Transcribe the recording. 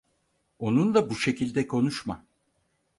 Onunla bu şekilde konuşma.